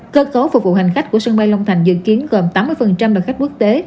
cơ cấu phục vụ hành khách của sân bay long thành dự kiến gồm tám mươi đoàn khách quốc tế